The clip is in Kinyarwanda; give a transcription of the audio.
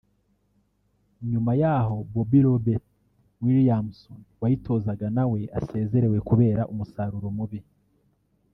nyuma y’aho Bobby Robert Williamson wayitozaga nawe asezerewe kubera umusaruro mubi